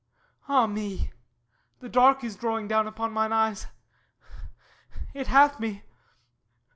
... Ah me, The dark is drawing down upon mine eyes; It hath me!